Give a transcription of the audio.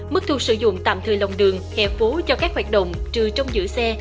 mức thu sử dụng tạm thời lòng đường hè phố cho các hoạt động trừ trong giữ xe